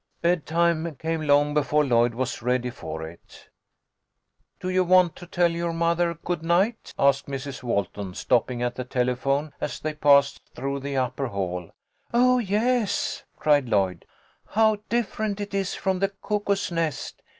Bedtime came long before Lloyd was ready for 1/6 THE LITTLE COLONEL'S HOLIDAYS. it. " Do you want to tell your mother good night ?" asked Mrs. Walton, stopping at the telephone as they passed through the upper hall. " Oh, yes," cried Lloyd. " How different it is from the Cuckoo's Nest.